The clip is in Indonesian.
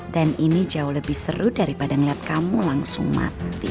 dan ini jauh lebih seru daripada ngeliat kamu langsung mati